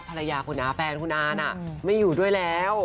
ภรรยาคุณอาแฟนคุณอาน่ะไม่อยู่ด้วยแล้ว